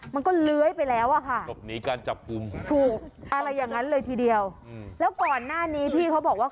มันก็เล้ยไปแล้วอะค่ะถูกอะไรอย่างนั้นเลยทีเดียวแล้วก่อนหน้านี้พี่เค้าบอกว่า